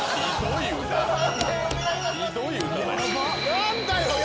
何だよ